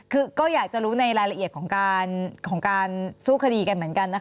คือก็อยากจะรู้ในรายละเอียดของการสู้คดีกันเหมือนกันนะคะ